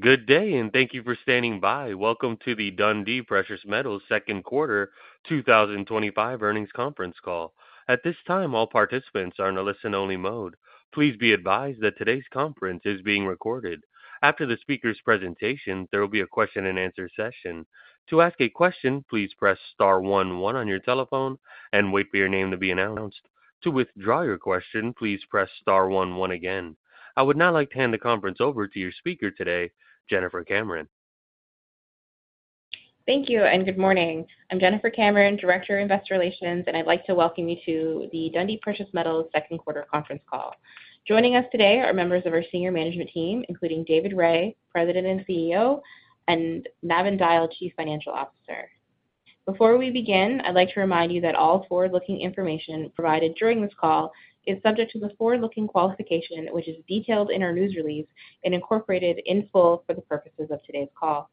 Good day and thank you for standing by. Welcome to the Dundee Precious Metals second quarter 2025 earnings conference call. At this time, all participants are in a listen-only mode. Please be advised that today's conference is being recorded. After the speaker's presentation, there will be a question and answer session. To ask a question, please press Star one one on your telephone and wait for your name to be announced. To withdraw your question, please press Star one one again. I would now like to hand the conference over to your speaker today, Jennifer Cameron. Thank you and good morning. I'm Jennifer Cameron, Director of Investor Relations, and I'd like to welcome you to the Dundee Precious Metals second quarter conference call. Joining us today are members of our senior management team including David Rae, President and CEO, and Navin Dyal, Chief Financial Officer. Before we begin, I'd like to remind you that all forward-looking information provided during this call is subject to the Forward-Looking Qualification, which is detailed in our news release and incorporated in full for the purposes of today's call.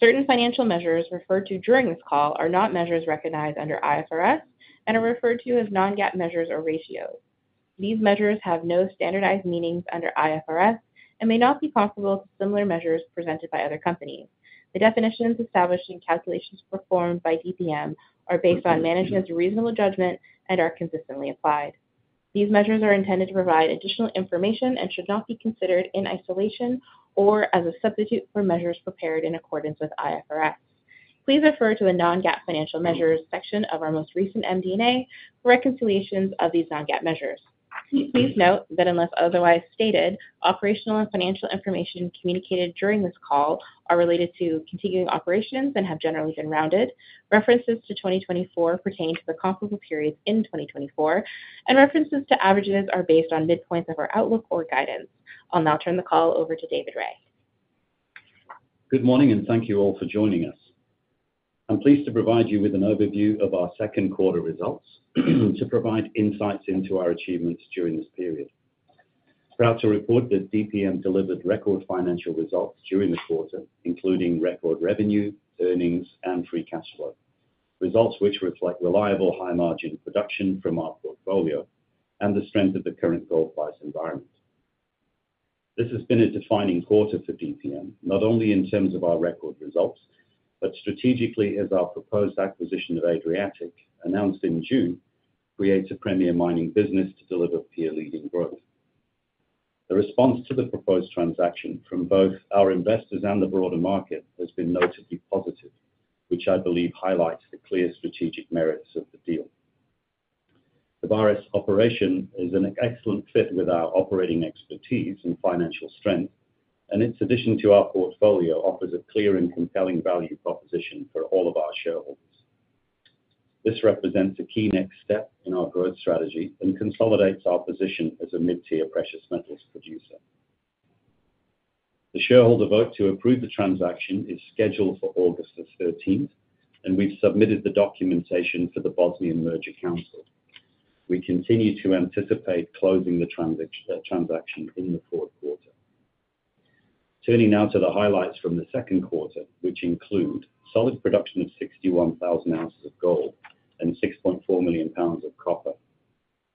Certain financial measures referred to during this call are not measures recognized under IFRS and are referred to as non-GAAP measures or ratios. These measures have no standardized meanings under IFRS and may not be comparable to similar measures presented by other companies. The definitions established and calculations performed by DPM are based on management's reasonable judgment and are consistently applied. These measures are intended to provide additional information and should not be considered in isolation or as a substitute for measures prepared in accordance with IFRS. Please refer to the Non-GAAP Financial Measures section of our most recent MD&A and a reconciliation of these non-GAAP measures. Please note that unless otherwise stated, operational and financial information communicated during this call are related to continuing operations and have generally been rounded. References to 2024 pertain to the comparable periods in 2024, and references to averages are based on midpoints of our outlook or guidance. I'll now turn the call over to David Rae. Good morning and thank you all for joining us. I'm pleased to provide you with an overview of our second quarter results to provide insights into our achievements during this period. Proud to report that DPM delivered record financial results during the quarter, including record revenue, earnings, and free cash flow results, which reflect reliable high margin production from our portfolio and the strength of the current gold price environment. This has been a defining quarter for DPM not only in terms of our record results but strategically as our proposed acquisition of Adriatic, announced in June, creates a premier mining business to deliver peer-leading growth. The response to the proposed transaction from both our investors and the broader market has been notably positive, which I believe highlights the clear strategic merits of the deal. The Vares operation is an excellent fit with our operating expertise and financial strength, and its addition to our portfolio offers a clear and compelling value proposition for. All of our shareholders. This represents a key next step in our growth strategy and consolidates our position as a mid-tier precious metals producer. The shareholder vote to approve the transaction is scheduled for August 13th, and we've submitted the documentation for the Bosnian Merger Council. We continue to anticipate closing the transaction in the fourth quarter. Turning now to the highlights from the second quarter, which include solid production of 61,000 ounces of gold and 6.4 million pounds of copper,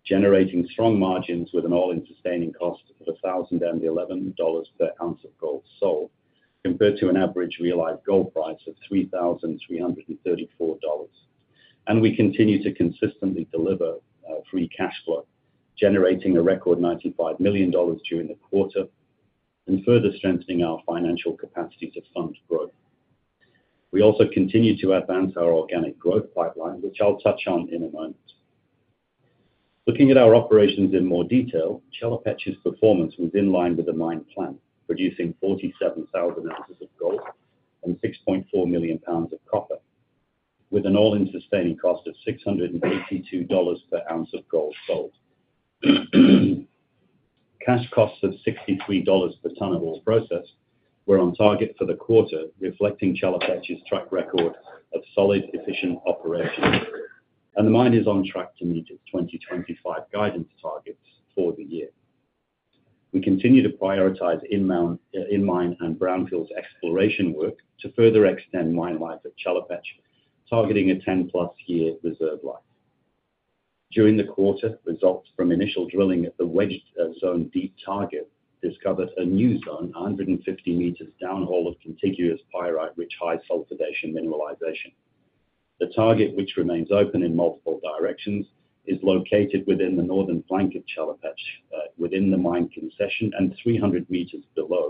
generating strong margins with an all-in sustaining cost of $1,011 per ounce of gold sold compared to an average realized gold price of $3,334. We continue to consistently deliver free cash flow, generating a record $95 million during the quarter and further strengthening our financial capacity to fund growth. We also continue to advance our organic growth pipeline, which I'll touch on in a moment, looking at our operations in more detail. Chelopech's performance was in line with the mine plan, producing 47,000 ounces of gold and 6.4 million pounds of copper with an all-in sustaining cost of $682 per ounce of gold sold. Cash costs of $63 per tonne of ore processed were on target for the quarter, reflecting Chelopech's track record of solid, efficient operations, and the mine is on track to meet its 2025 guidance targets for the year. We continue to prioritize in-mine and brownfields exploration work to further extend mine life at Chelopech, targeting a 10+ year reserve life during the quarter. Results from initial drilling at the Wedge Zone Deep Target discovered a new zone 150 meters downhole of contiguous pyrite-rich high-sulfidation mineralization. The target, which remains open in multiple directions, is located within the northern flank of Chelopech within the mine concession and 300 meters below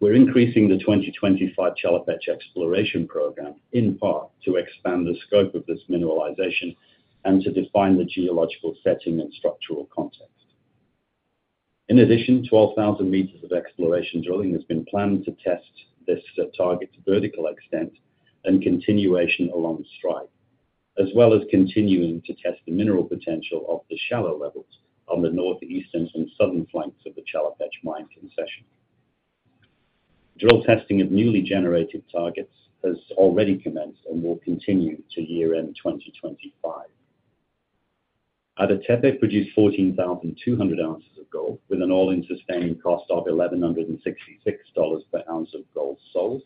existing mineral reserves. We're increasing the 2025 Chelopech exploration program in part to expand the scope of this mineralization and to define the geological setting and structural context. In addition, 12,000 meters of exploration drilling has been planned to test this target's vertical extent and continuation along strike, as well as continuing to test the mineral potential of the shallow levels on the north, eastern, and southern flanks of the Chelopech mine concession. Drill testing of newly generated targets has already commenced and will continue to year end. 2025. Ada Tepe produced 14,200 ounces of gold with an all-in sustaining cost of $1,166 per ounce of gold sold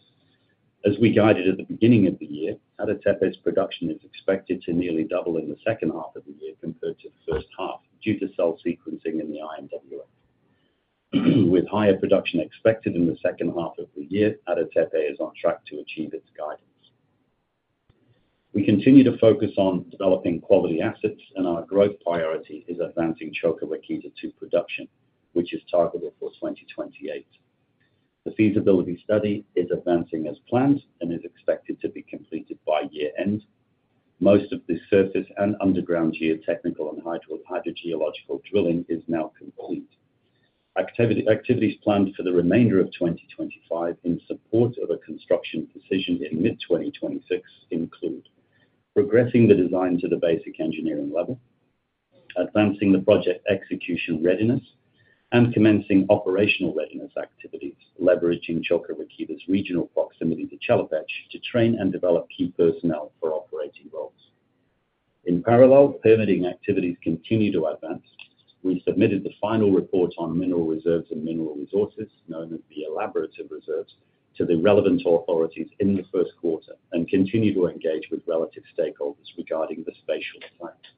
as we guided at the beginning of the year. Ada Tepe's production is expected to nearly double in the second half of the year compared to the first half due to cell sequencing in the IMWA, with higher production expected in the second half of the year. Ada Tepe is on track to achieve its guidance. We continue to focus on developing quality assets and our growth priority is advancing Coka Rakita to production which is targeted for 2028. The feasibility study is advancing as planned and is expected to be completed by year end. Most of the surface and underground geotechnical and hydrogeological drilling is now complete. Activities planned for the remainder of 2025 in support of a construction decision in mid-2026 include progressing the design to the basic engineering level, advancing the project execution readiness, and commencing operational readiness activities. Leveraging Coka Rakita's regional proximity to Chelopech to train and develop key personnel for operating roles, in parallel, permitting activities continue to advance. We submitted the final report on mineral reserves and mineral resources, known as the Elaborative Reserves, to the relevant authorities in the first quarter and continue to engage with relevant stakeholders regarding the spatial types.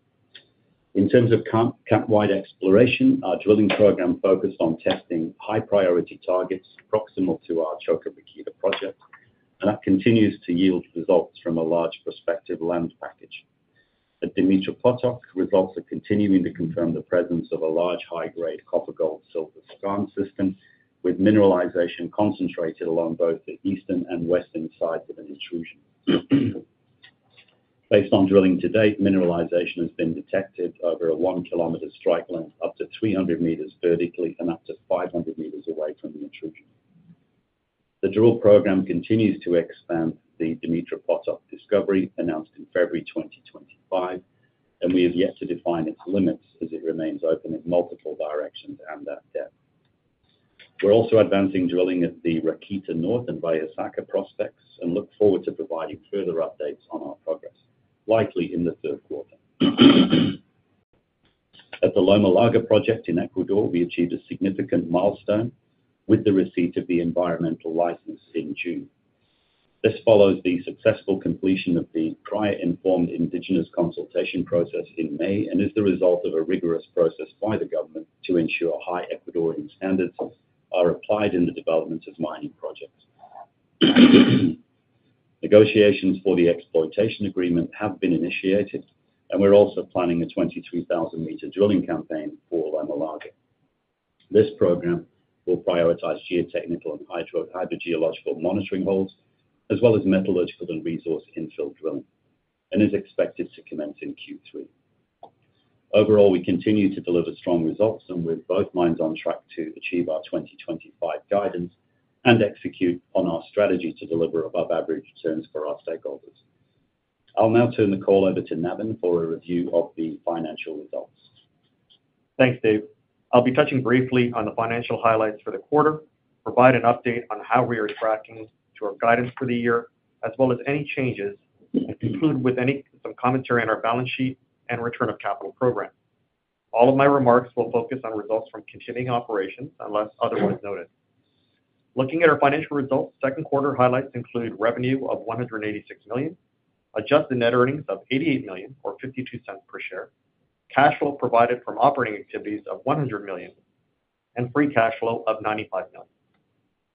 In terms of camp-wide exploration, our drilling program focused on testing high-priority targets proximal to our Coka Rakita project and that continues to yield results from a large prospective land package at Dumitru Potok. Results are continuing to confirm the presence of a large high-grade copper-gold-silver skarn system with mineralization concentrated along both the eastern and western sides of an intrusion. Based on drilling to date, mineralization has been detected over a 1 km strike length, up to 300 meters vertically, and up to 500 meters away from the intrusion. The drill program continues to expand the Dumitru Potok discovery announced in February 2025 and we have yet to define its limits as it remains open in multiple directions and at depth. We're also advancing drilling at the Rakita North and Valja Saka prospects and look forward to providing further updates on our progress likely in the third quarter. At the Loma Larga project in Ecuador, we achieved a significant milestone with the receipt of the environmental license in June. This follows the successful completion of the prior informed Indigenous consultation process in May and is the result of a rigorous process by the government to ensure high Ecuadorian standards are applied in the development of mining projects. Negotiations for the exploitation agreement have been initiated and we're also planning a 23,000-meter drilling campaign for Loma Larga. This program will prioritize geotechnical and hydrogeological monitoring holes as well as metallurgical and resource infill drilling and is expected to commence in Q3. Overall, we continue to deliver strong results and with both mines on track to achieve our 2025 guidance and execute on our strategy to deliver above average returns for our stakeholders, I'll now turn the call over to Navin for a review of the financial results. Thanks, Dave. I'll be touching briefly on the financial highlights for the quarter and provide an update on how we are tracking to our guidance for the year. As well as any changes and conclude. With some commentary on our balance sheet and return of capital program. All of my remarks will focus on results from continuing operations unless otherwise noted. Looking at our financial results, second quarter highlights include revenue of $186 million, adjusted net earnings of $88 million or $0.52 per share, cash flow provided from operating activities of $100 million, and free cash flow of $95 million.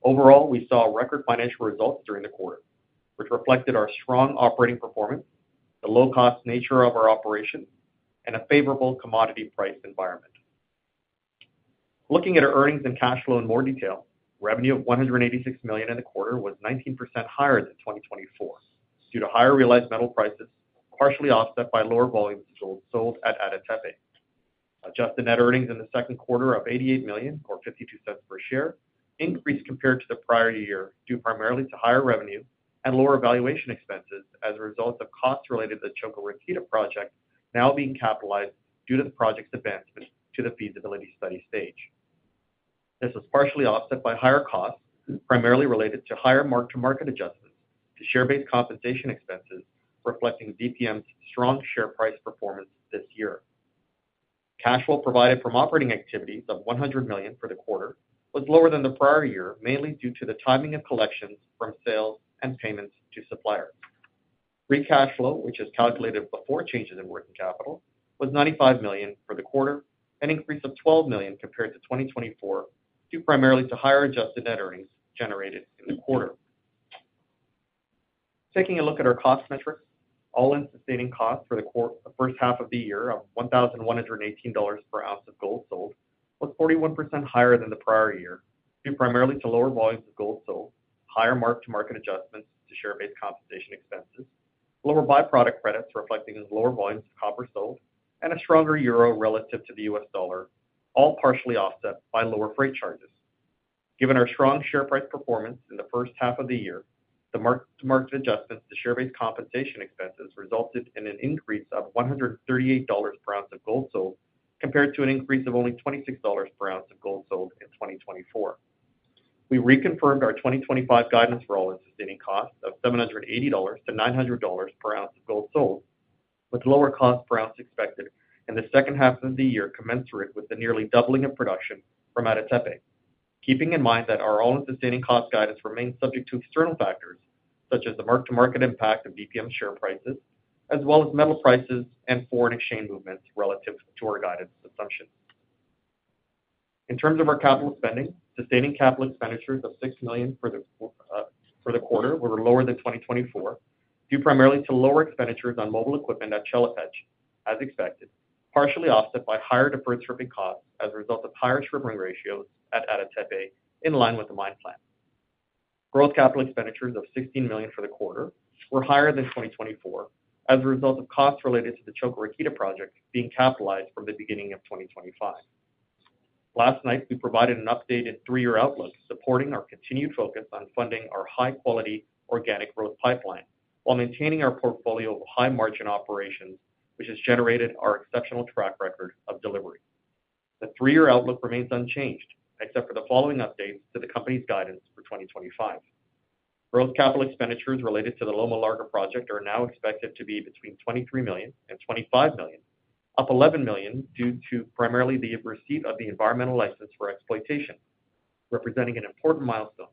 Overall, we saw record financial results during the quarter, which reflected our strong operating performance, the low cost nature of our operation, and a favorable commodity price environment. Looking at our earnings and cash flow in more detail, revenue of $186 million in the quarter was 19% higher than 2024 due to higher realized metal prices, partially offset by lower volumes of gold sold at Ada Tepe. Adjusted net earnings in second quarter of $88 million, or $0.52 per share, increased compared to the prior year due primarily to higher revenue and lower valuation expenses as a result of costs related to the Coka Rakita project now being capitalized due to the project's advancement to the feasibility study stage. This was partially offset by higher costs, primarily related to higher mark to market adjustments to share-based compensation expenses reflecting DPM's strong share price performance this year. Cash flow provided from operating activities of $100 million for the quarter was lower than the prior year, mainly due to the timing of collections from sales and payments to suppliers. Free cash flow, which is calculated before changes in working capital, was $95 million for the quarter, an increase of $12 million compared to 2024 due primarily to higher adjusted net earnings generated in the quarter. Taking a look at our cost metrics, all-in sustaining costs for the first half of the year of $1,118 per ounce of gold sold was 41% higher than the prior year due primarily to lower volumes of gold sold, higher mark. To market adjustments to share-based compensation. Expenses, lower byproduct credits reflecting lower volumes of copper sold and a stronger Euro relative to the U.S. dollar, all partially offset by lower freight charges. Given our strong share price performance in the first half of the year, the mark to market adjustments to share-based compensation expenses resulted in an increase of $138 per ounce of gold sold compared to an increase of only $26 per ounce of gold sold in 2024. We reconfirmed our 2025 guidance for all-in sustaining costs of $780-$900 per ounce of gold sold with lower cost per ounce expected in the second half of the year commensurate with the nearly doubling of production from Ada Tepe, keeping in mind that our all-in sustaining cost guidance remains subject to external factors such as the mark to market impact of DPM share prices as well as metal prices and foreign exchange movements relative to our guidance assumptions. In terms of our capital spending, sustaining capital expenditures of $6 million for the quarter were lower than 2024 due primarily to lower expenditures on mobile equipment at Chelopech as expected, partially offset by higher deferred stripping costs as a result of higher strip ratios at Ada Tepe. In line with the mine plan, gross capital expenditures of $16 million for the quarter were higher than 2024 as a result of costs related to the Coka Rakita project being capitalized from the beginning of 2025. Last night we provided an updated three-year outlook supporting our continued focus on funding our high-quality organic growth pipeline while maintaining our portfolio of high-margin operations which has generated our exceptional track record of delivery. The three-year outlook remains unchanged except for the following updates to the company's guidance for 2025: gross capital expenditures related to the Loma Larga project are now expected to be between $23 million and $25 million, up $11 million due primarily to the receipt of the environmental license for exploitation, representing an important milestone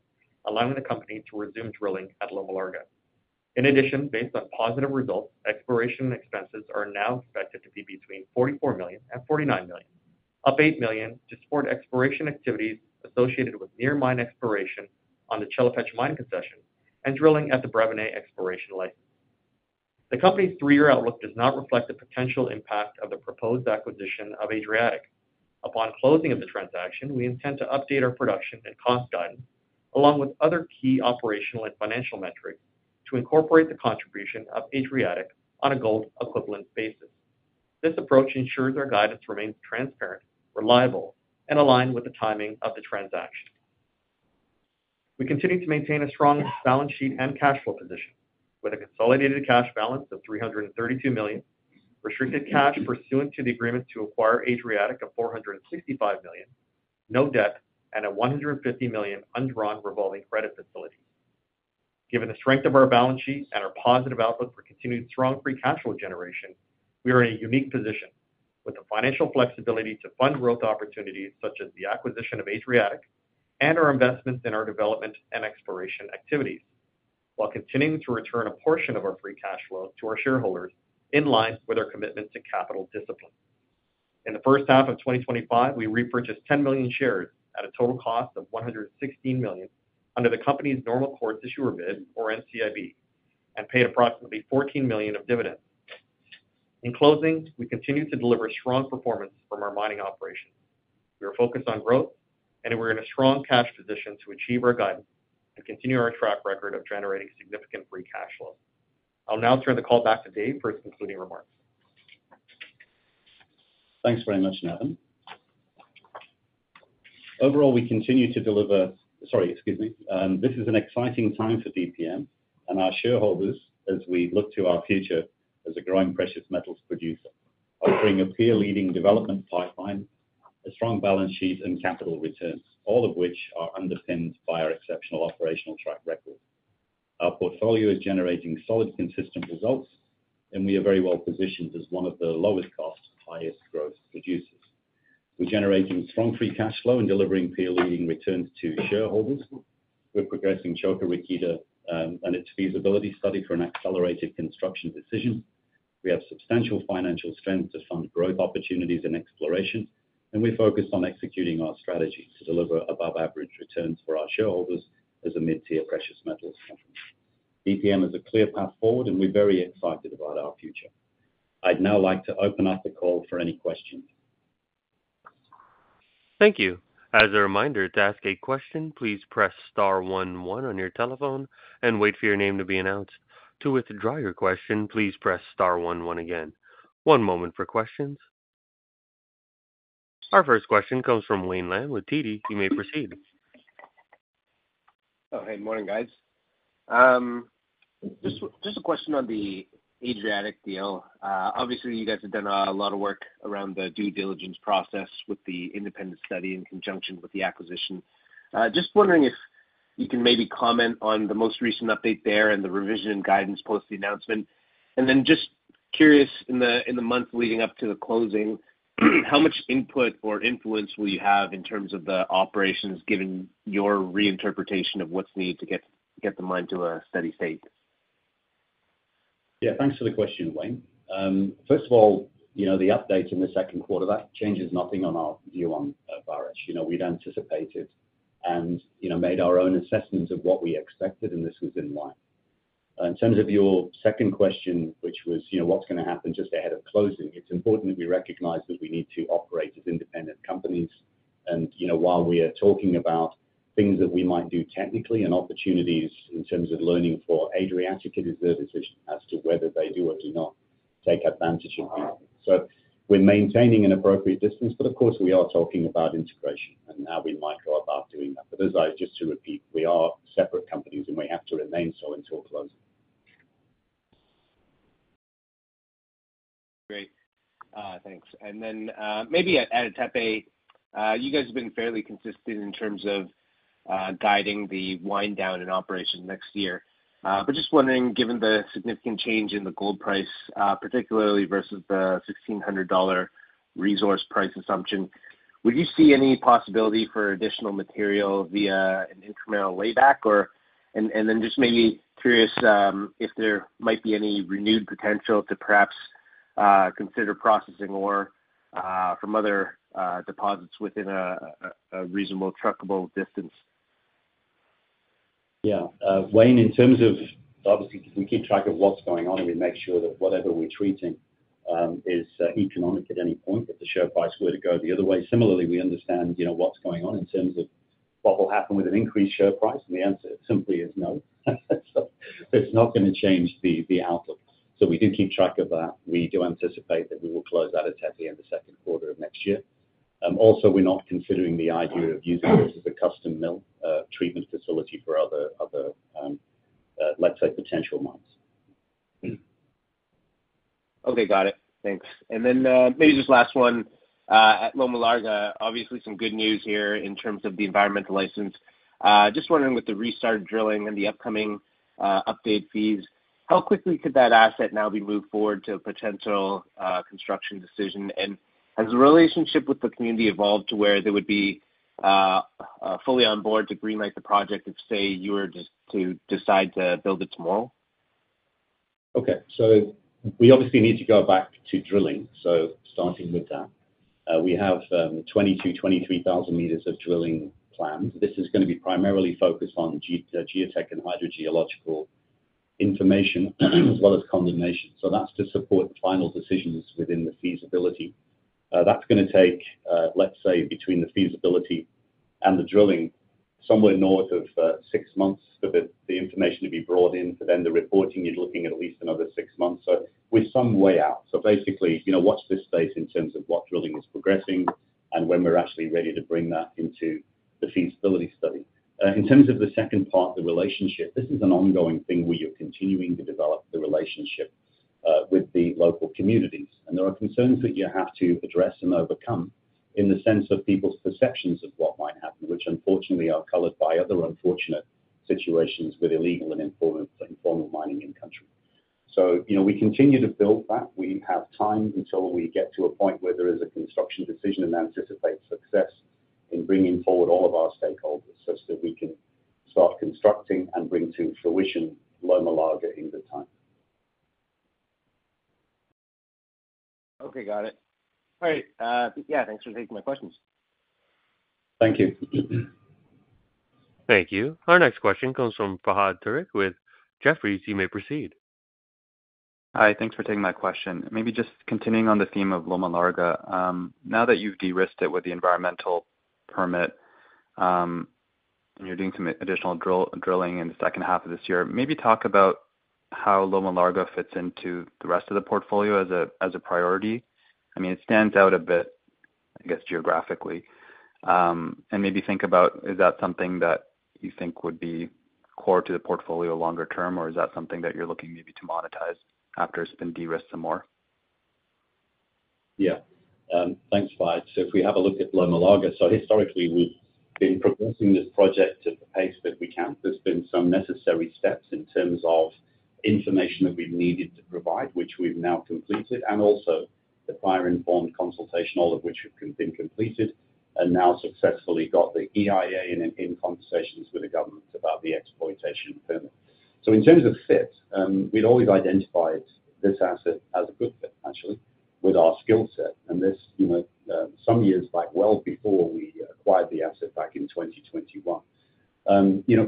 allowing the company to resume drilling at Loma Larga. In addition, based on positive results, exploration expenses are now expected to be between $44 million and $49 million, up $8 million to support exploration activities associated with near-mine exploration on the Chelopech mine concession and drilling at the Brevene exploration license. The company's three-year outlook does not reflect the potential impact of the proposed acquisition of Adriatic. Upon closing of the transaction, we intend to update our production and cost guidance along with other key operational and financial metrics to incorporate the contribution of Adriatic on a gold equivalent basis. This approach ensures our guidance remains transparent, reliable, and aligned with the timing of the transaction. We continue to maintain a strong balance. Sheet and cash flow position with a. Consolidated cash balance of $332 million, restricted cash pursuant to the agreement to acquire Adriatic of $465 million, no debt, and a $150 million undrawn revolving credit facility. Given the strength of our balance sheet and our positive outlook for continued strong free cash flow generation, we are in a unique position with the financial flexibility to fund growth opportunities such as the acquisition of Adriatic and our investments in our development and exploration activities, while continuing to return a portion of our free cash flow to our shareholders, in line with our commitment to capital discipline. In the first half of 2025, we repurchased 10 million shares at a total cost of $116 million under the company's Normal Course Issuer Bid or NCIB and paid approximately $14 million of dividends. In closing, we continue to deliver strong performance from our mining operations. We are focused on growth and we're in a strong cash position to achieve our guidance and continue our track record of generating significant free cash flow. I'll now turn the call back to Dave for his concluding remarks. Thanks very much, Navin. Overall, we continue to deliver. This is an exciting time for DPM and our shareholders as we look to our future as a growing precious metals producer offering a peer-leading development pipeline, a strong balance sheet, and capital returns, all of which are underpinned by our exceptional operational track record. Our portfolio is generating solid, consistent results, and we are very well positioned as one of the lowest-cost, highest-growth producers. We're generating strong free cash flow and delivering peer-leading returns to shareholders. We're progressing Choka Rakita and its feasibility study for an accelerated construction decision. We have substantial financial strength to fund growth opportunities and explorations, and we focus on executing our strategy to deliver above-average returns for our shareholders. As a mid-tier precious metals company, DPM has a clear path forward, and we're very excited about our future. I'd now like to open up the call for any questions. Thank you. As a reminder to ask a question, please press star one one on your telephone and wait for your name to be announced. To withdraw your question, please press star one one again. One moment for questions. Our first question comes from Wayne Lam with TD. You may proceed. Oh, hey, morning guys. Just a question on the Adriatic deal. Obviously you guys have done a lot of work around the due diligence process with the independent study in conjunction with the acquisition. Just wondering if you can maybe comment on the most recent update there and the revision in guidance post the announcement. Just curious, in the month leading up to the closing, how much input or influence will you have in terms of the operations given your reinterpretation of what's needed to get the mine. To a steady state? Yeah, thanks for the question, Wayne. First of all, the updates in the second quarter, that changes nothing on our view on Vares. We'd anticipated and made our own assessment of what we expected, and this was in line. In terms of your second question, which was what's going to happen just ahead of closing, it's important that we recognize that we need to operate as independent companies. While we are talking about things that we might do technically and opportunities in terms of learning for Adriatic deserves as to whether they do or do not take advantage of. We're maintaining an appropriate distance. Of course, we are talking about integration and how we might go about doing that. Just to repeat, we are separate companies and we have to remain so until closing. Great, thanks. Maybe at Ada Tepe, you guys have been fairly consistent in terms of guiding the wind down in operation next year, but just wondering, given the significant change in the gold price, particularly versus the $1,600 resource price assumption, would you see any possibility for additional material via an incremental layback, or just maybe curious if there might be any renewed potential to perhaps consider processing ore from other deposits within a reasonable truckable distance? Yeah, Wayne, in terms of, obviously we keep track of what's going on and we make sure that whatever we're treating is economic at any point if the share price were to go the other way. Similarly, we understand what's going on in terms of what will happen with an increased share price, and the answer simply is no, it's not going to change the outlook. We do keep track of that. We do anticipate that we will close out of Tepe in the second quarter of next year. Also, we're not considering the idea of using this as a custom mill treatment facility for other, let's say, potential mines. Okay, got it, thanks. Maybe just last one at Loma Larga. Obviously some good news here in terms of the environmental license. Just wondering with the restart drilling and the upcoming update fees, how quickly could that asset now be moved forward to a potential construction decision, and has the relationship with the community evolved to where they would be fully on board to green light the project if, say, you were just to decide. To build it tomorrow? Okay. We obviously need to go back to drilling. Starting with that, we have 22,000, 23,000 meters of drilling planned. This is going to be primarily focused on geotech and hydrogeological information as well as condemnation. That is to support the final decisions within the feasibility. That is going to take, let's say, between the feasibility and the drilling, somewhere north of six months for the information to be brought in. For the reporting, you're looking at at least another six months, so it is some way out. Basically, watch this space in terms of what drilling is progressing and when we're actually ready to bring that into the feasibility study. In terms of the second part, the relationship, this is an ongoing thing where you're continuing to develop the relationship with the local communities, and there are concerns that you have to address and overcome in the sense of people's perceptions of what might happen, which unfortunately are colored by other unfortunate situations with illegal and informal mining in the country. We continue to build that. We have time until we get to a point where there is a construction decision and anticipate success in bringing forward all of our stakeholders such that we can start constructing and bring to fruition Loma Larga in good time. Okay, got it. All right. Yeah. Thanks for taking my questions. Thank you. Thank you. Our next question comes from Fahad Tariq with Jefferies. You may proceed. Hi.Thanks for taking my question. Maybe just continuing on the theme of Loma Larga, now that you've de-risked it with the environmental permit and you're doing some additional drilling in the second half of this year, maybe talk about. How Loma Larga fits into the rest. Of the portfolio as a priority. It stands out a bit, I guess, geographically, and maybe think about is that something that you think would be core to the portfolio longer term, or is that something that you're looking. Maybe to monetize after it's been de-risked some more? Yeah, thanks, Fahad. If we have a look at Loma Larga, historically we've been progressing this project at the pace that we can. There have been some necessary steps in terms of information that we've needed to provide, which we've now completed, and also the prior informed consultation, all of which have been completed. We've now successfully got the EIA and are in conversations with the government about the exploitation permit. In terms of fit, we'd always identified this asset as a good fit with our skill set, and this was some years back, well before we acquired the asset back in 2021.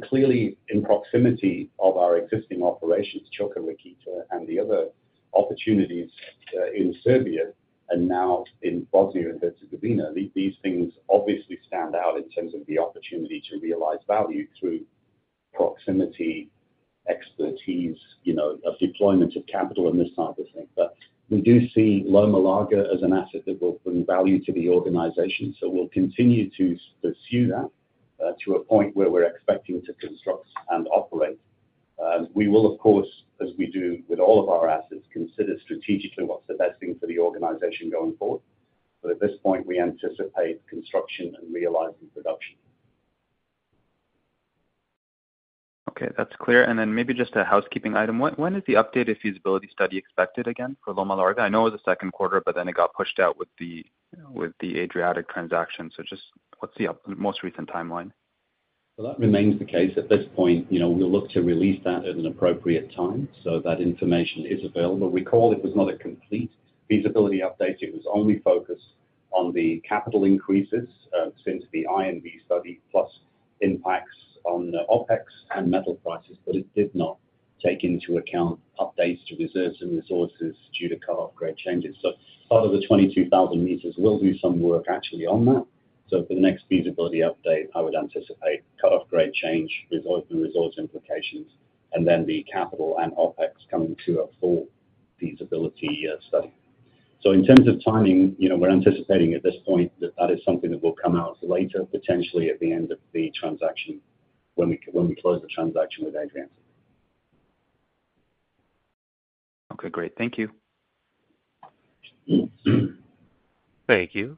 Clearly, in proximity of our existing operations, Coka Rakita and the other opportunities in Serbia and now in Bosnia and Herzegovina, these things obviously stand out in terms of the opportunity to realize value through proximity, expertise, deployment of capital, and this type of thing. We do see Loma Larga as an asset that will bring value to the organization, so we'll continue to pursue that to a point where we're expecting to construct and operate. We will, of course, as we do with all of our assets, consider strategically what's the best thing for the organization going forward. At this point, we anticipate construction and realizing production. Okay, that's clear. Maybe just a housekeeping item. When is the updated feasibility study expected? Again for Loma Larga? I know it was the second quarter. It got pushed out with the Adriatic transaction. What’s the most recent timeline? That remains the case at this point. We'll look to release that at an appropriate time so that information is available. Recall, it was not a complete feasibility update. It was only focused on the capital increases since the INV study, plus impacts on OpEx and metal prices. It did not take into account updates to reserves and resources due to cutoff grade changes. Part of the 22,000 meters will do some work actually on that. For the next feasibility update, I would anticipate cutoff grade change and resource implications, and then the capital and OpEx coming to a full feasibility study. In terms of timing, we're anticipating at this point that is something that will come out later, potentially at the end of the transaction when we close the transaction with Adriatic. Okay, great. Thank you. Thank you.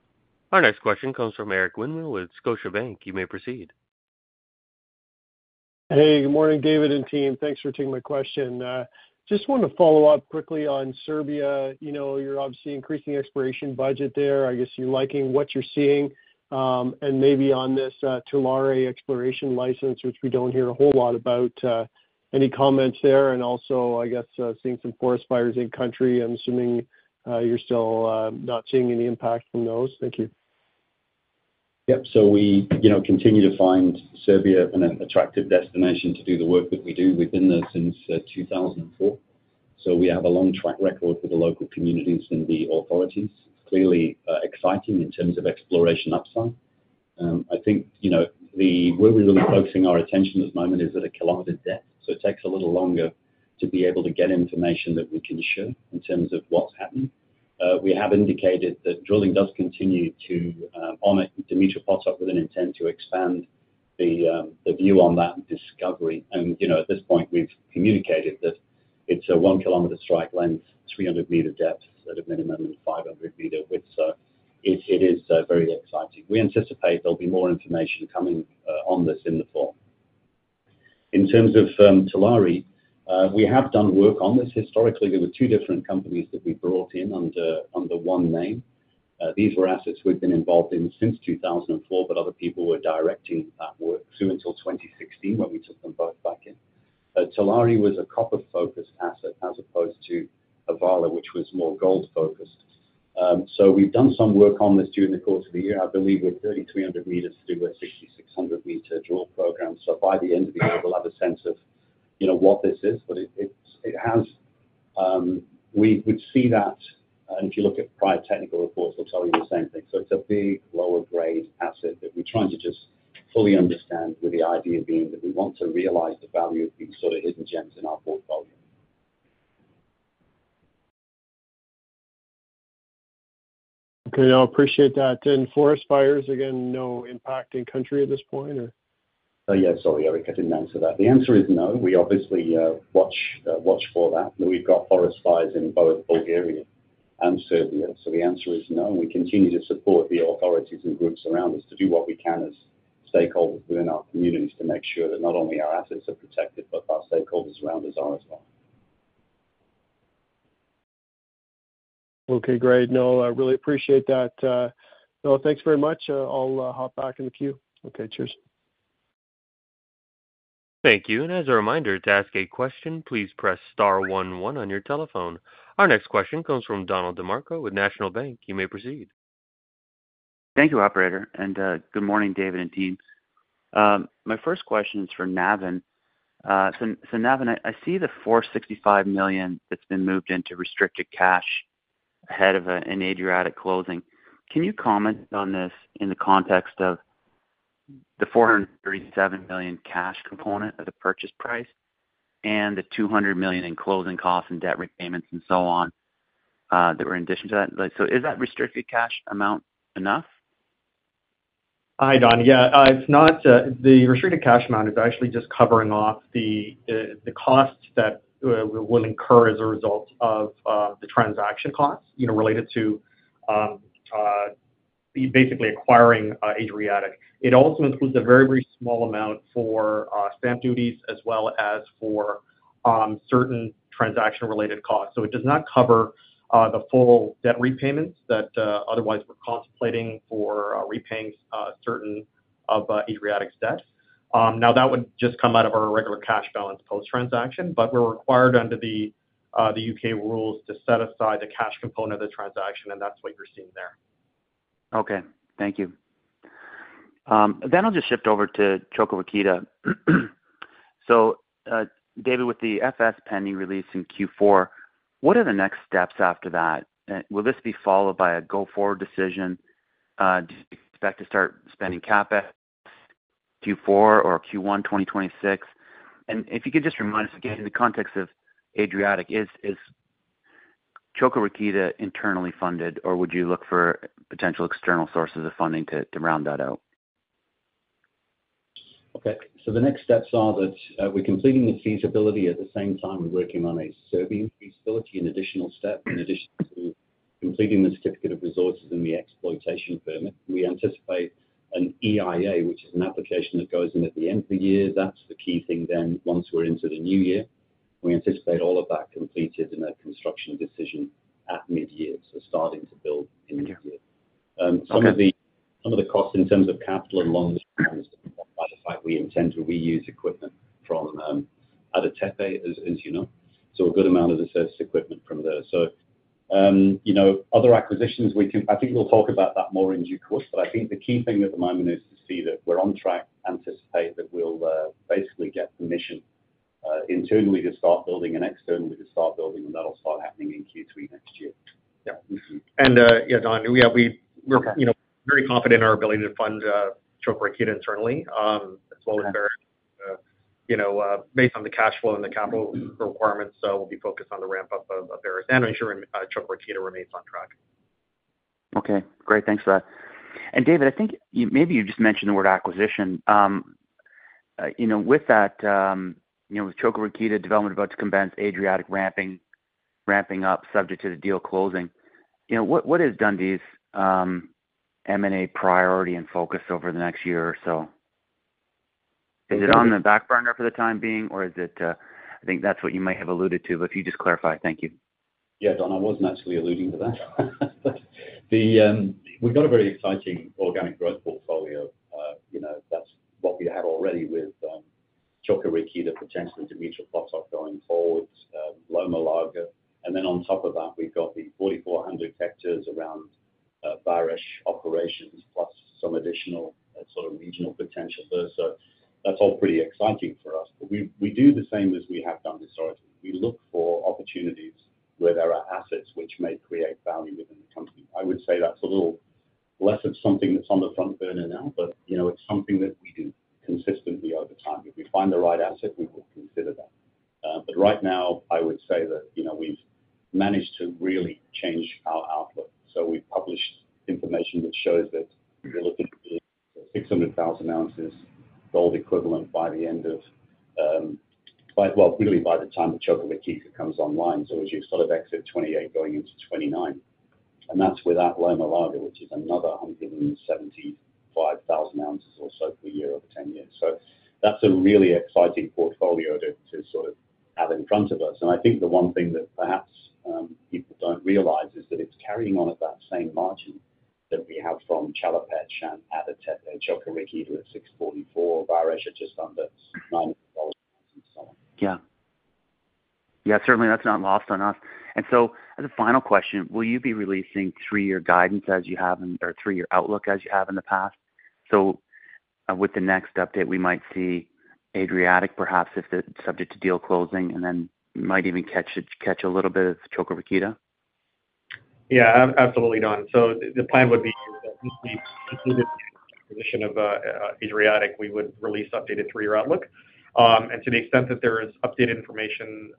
Our next question comes from Eric Winmill with Scotiabank. You may proceed. Hey, good morning, David and team. Thanks for taking my question. Just wanted to follow up quickly on Serbia. You know, you're obviously increasing exploration budget there. I guess you're liking what you're seeing. Maybe on this Tulare exploration license, which we don't hear a whole lot about, any comments there? Also, I guess seeing some forest fires in country, I'm assuming you're still not seeing any impact from those. Thank you. Yep. We continue to find Serbia an attractive destination to do the work that we do. We've been there since 2004, so we have a long track record for the local communities and the authorities. Clearly exciting in terms of exploration upside. I think where we're really focusing our attention at the moment is at a kilometer depth. It takes a little longer to be able to get information that we can show in terms of what's happening. We have indicated that drilling does continue at Dumitru Potok with an intent to expand the view on that discovery. At this point we've communicated that it's a 1 km strike length, 300 meter depth at a minimum of 500 meter. It is very exciting. We anticipate there'll be more information coming on this in the fall. In terms of Tulare, we have done work on this. Historically there were two different companies that we brought in under one name. These were assets we've been involved in since 2004, but other people were directing that work through until 2016 when we took them both back in. Tulare was a copper-focused asset as opposed to Avala, which was more gold-focused. We've done some work on this during the course of the year. I believe we're 3,300 meters through a 66,000 meter drill program. By the end of the year we'll have a sense of what this is. It has, we would see that. If you look at prior technical reports, they'll tell you the same thing. It's a big lower grade asset that we're trying to just fully understand with the idea being that we want to realize the value of these sort of hidden gems in our portfolio. Okay, I appreciate that. Forest fires, again, no impact in country at this point. Yeah, sorry Eric, I didn't answer that. The answer is no. We obviously watch for that. We've got forest fires in both Bulgaria and Serbia. The answer is no. We continue to support the authorities and groups around us to do what we can as stakeholders within our communities to make sure that not only our assets are protected, but our stakeholders around us are as well. Okay, great. I really appreciate that. Thanks very much. I'll hop back in the queue. Okay, cheers. Thank you. As a reminder, to ask a question, please press star one one on your telephone. Our next question comes from Don DeMarco with National Bank. You may proceed. Thank you, operator, and good morning, David and team. My first question is for Navin. Navin, I see the $465 million that's been moved into restricted cash ahead of an Adriatic closing. Can you comment on this in the context of the $437 million cash component of the purchase price and the $200 million in closing costs and debt repayments and so on that were in addition to that? Is that restricted cash amount enough? Hi Don. Yeah, it's not. The restricted cash amount is actually just covering off the costs that will incur as a result of the transaction costs related to basically acquiring Adriatic. It also includes a very, very small amount for stamp duties as well as for certain transaction related costs. It does not cover the full debt repayments that otherwise would cost contemplating for repaying certain of Adriatic's debt. That would just come out of our regular cash balance post transaction, but we're required under the U.K. rules to set aside the cash component of the. Transaction, and that's what you're seeing there. Thank you. I'll just shift over to Coka Rakita. David, with the FS pending release in Q4, what are the next steps after that? Will this be followed by a go forward decision? Do you expect to start spending CapEx Q4 or Q1 2026? If you could just remind us. Again in the context of Adriatic, is Choka Rakita internally funded or would you look for potential external sources of funding to round that out? Okay, so the next steps are that we're completing the feasibility. At the same time we're working on an additional step. In addition to completing the certificate of resources and the exploitation permit, we anticipate an EIA, which is an application that goes in at the end of the year. That's the key thing. Once we're into the new year, we anticipate all of that completed and a construction decision at mid year, so starting to build in mid year. Some of the costs in terms of capital along, we intend to reuse equipment from Ada Tepe, as you know, so a good amount of the service equipment from there. Other acquisitions, I think we'll talk about that more in due course. I think the key thing at the moment is to see that we're on track, anticipate that we'll basically get permission internally to start building and externally to start building, and that'll start happening in Q3 next year. Yeah, Don, we're very confident in our ability to fund Coka Rakita internally as well as, you know, based on the cash flow and the capital requirements, we'll be focused on the ramp up of Vares and ensuring Coka Rakita remains on track. Okay, great, thanks for that. David, I think maybe you just mentioned the word acquisition. With that, with Coka Rakita development about to commence, Adriatic ramping up, subject to the deal closing, what has Dundee's M&A priority and focus over the next year or so? Is it on the back burner for the time being, or is it? I think that's what you might have alluded to, but if you could just clarify. Thank you. Yeah, Don, I wasn't actually alluding to that. We've got a very exciting organic growth portfolio. You know, that's what we have already with Coka Rakita, potentially Dumitru Potok going forward, Loma Larga. On top of that, we've got the 4,400 hectares around Vares operations plus some additional sort of regional potential. That's all pretty exciting for us. We do the same as we have done historically. We look for opportunities where there are assets which may create value within the company. I would say that's a little less of something that's on the front burner now, but you know, it's something that we do consistently over time. If we find the right asset, we will continue to consider that. Right now I would say that we've managed to really change our outlook. We published information that shows that we're looking at 600,000 ounces gold equivalent by the end of, really by the time the Coka Rakita comes online, as you sort of exit 2028 going into 2029, and that's without Loma Larga, which is another 175,000 ounces or so per year over 10 years. That's a really exciting portfolio to sort of have in front of us. I think the one thing that perhaps people don't realize is that it's carrying on at that same margin that we have from Chelopech and Coka Rakita at $644. Vares just under $900. Certainly that's not lost on us. As a final question, will you be releasing three-year guidance as you have or three-year outlook as you have in the past? With the next update we might see Adriatic perhaps if it's subject to deal closing, and then might even catch a little bit of Coka Rakita. Yeah, absolutely, Don. The plan would be, post-acquisition of Adriatic, we would release updated three-year outlook. To the extent that there is updated information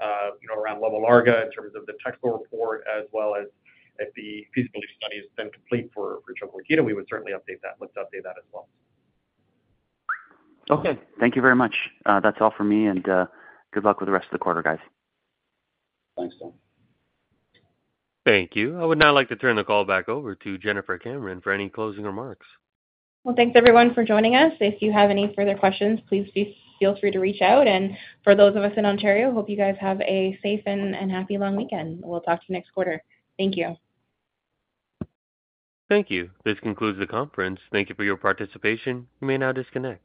around Loma Larga in terms of the technical report as well. If the feasibility study has been completed. For Coka Rakita, we would certainly update that. Let's update that as well. Okay, thank you very much. That's all for me, and good luck. With the rest of the quarter, guys. Thank you. I would now like to turn the call back over to Jennifer Cameron for any closing remarks. Thank you, everyone, for joining us. If you have any further questions, please feel free to reach out. For those of us in Ontario, hope you guys have a safe and happy long weekend. We'll talk to you next quarter. Thank you. Thank you. This concludes the conference. Thank you for your participation. You may now disconnect.